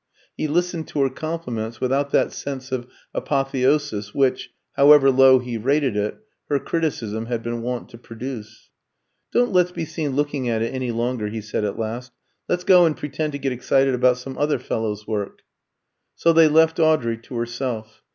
He listened to her compliments without that sense of apotheosis which (however low he rated it) her criticism had been wont to produce. "Don't let's be seen looking at it any longer," he said at last; "let's go and pretend to get excited about some other fellow's work." So they left Audrey to herself.